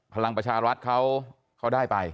พลังประชารัฐเขาได้ไป